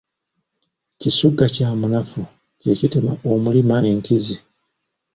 Kisugga kya munafu, kye kitema omulima enkizi.